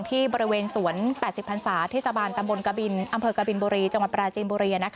ที่บริเวณสวน๘๐พันศาเทศบาลตำบลกบินอำเภอกบินบุรีจังหวัดปราจีนบุรี